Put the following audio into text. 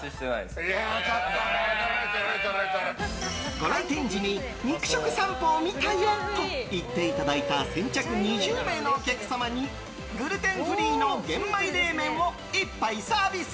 ご来店時に肉食さんぽ見たよと言っていただいた先着２０名のお客様にグルテンフリーの玄米冷麺を一杯サービス！